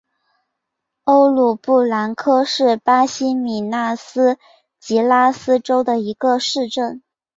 欧鲁布兰科是巴西米纳斯吉拉斯州的一个市镇。